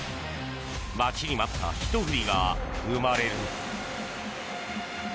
待ちに待ったひと振りが生まれる。